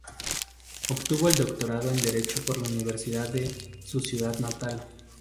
Obtuvo el doctorado en Derecho por la Universidad de su ciudad natal.